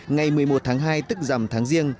ngày một mươi một tháng hai tức dầm tháng riêng